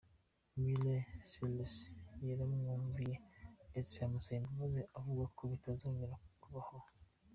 Miley Cyrus yaramwumviye ndetse amusaba imbabazi avuga ko bitazongera kubaho.